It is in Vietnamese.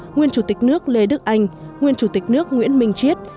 nguyên chủ tịch nước lê đức anh nguyên chủ tịch nước nguyễn minh chiết